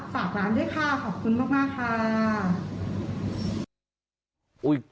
ฝากร้านด้วยค่ะขอบคุณมากค่ะ